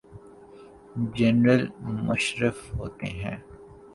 General Musharraf ہوتے ہیں۔